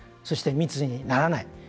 そして密にならない。